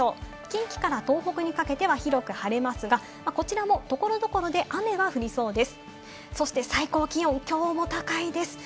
近畿から東北にかけては広く晴れますが、こちらも所々で雨が降りそうです。